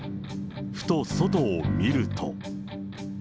ふと外を見ると。